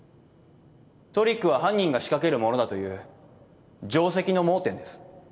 トリックは犯人が仕掛けるものだという定跡の盲点です。